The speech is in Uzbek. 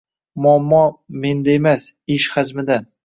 Muammo menda emas, ish hajmida